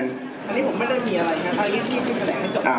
อันนี้ผมไม่ได้มีอะไรนะครับเอาอีกที่คือแผลงให้จบ